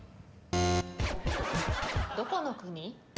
どこの国？